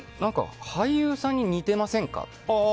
俳優さんに似ていませんか？と。